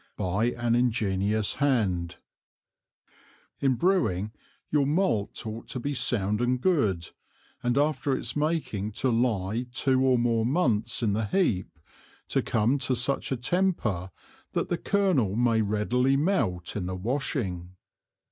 By an Ingenious Hand_. In Brewing, your Malt ought to be sound and good, and after its making to lye two or more Months in the Heap, to come to such a temper, that the Kernel may readily melt in the washing.